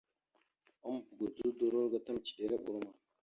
Ambogodzo udoróalgo ta micədere brom a.